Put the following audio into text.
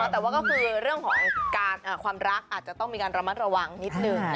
แต่ว่าก็คือเรื่องของความรักอาจจะต้องมีการระมัดระวังนิดนึง